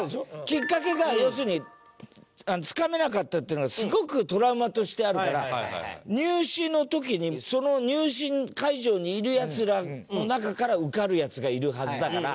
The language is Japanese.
きっかけが要するにつかめなかったっていうのがすごくトラウマとしてあるから入試の時にその入試会場にいるヤツらの中から受かるヤツがいるはずだから。